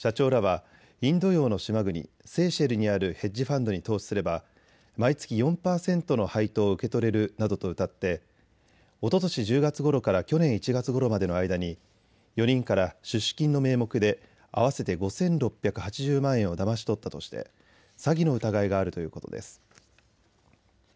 捜査関係者によりますと社長らはインド洋の島国セーシェルにあるヘッジファンドに投資すれば毎月４％の配当を受け取れるなどとうたっておととし１０月ごろから去年１月ごろまでの間に４人から出資金の名目でで合わせて５６８０万円をだまし取ったとして、詐欺の疑いがあるということです。